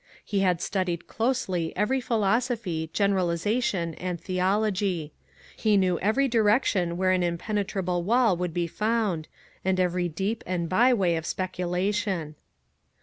He had studied closely every philosophy, generalization, and theology. He knew every direction where an impenetrable wall would be found, and every deep and byway of speculation.